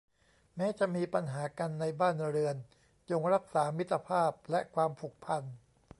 แม้จะมีปัญหากันในบ้านเรือนจงรักษามิตรภาพและความผูกพัน